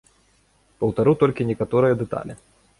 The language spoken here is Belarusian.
Паўтару толькі некаторыя дэталі.